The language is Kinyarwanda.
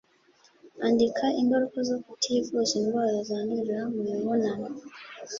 andika ingaruka zo kutivuza indwara zandurira mu mibonano